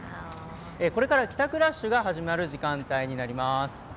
これから帰宅ラッシュが始まる時間帯になります。